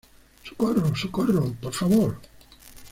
¡ socorro, socorro! ¡ por favor!